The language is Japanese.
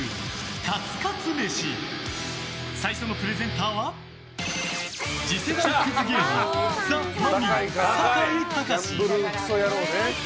カツカツ飯最初のプレゼンターは次世代クズ芸人ザ・マミィ酒井貴士。